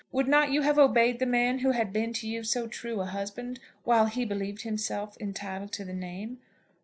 Would not you have obeyed the man who had been to you so true a husband while he believed himself entitled to the name?